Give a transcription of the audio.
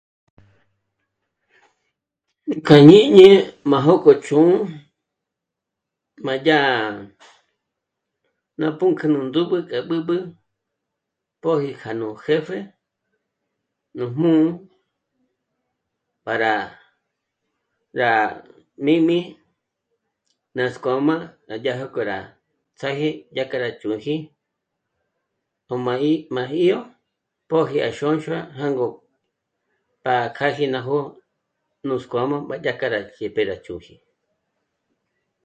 Nu k'a jñíñi má jok'o chū̌'ū má yá ná pǔnk'ü nú ndä́b'ä k'a b'ǚb'ü póji kjá nú jèpje nú jmū́'ū para rá mími nâsk'o má rá dyájo k'o rá sàgi yá k'a rá ch'ū̌ji ò ma í máji yó pòji à Xónxua jângo para k'a ji ná jó'o nuts'k'ó má mbàya k'a rá jép'e rá chū̀ji